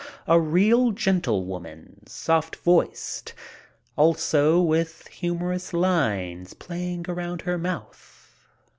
A real gentlewoman, soft voiced, also with humorous lines playing around her mouth.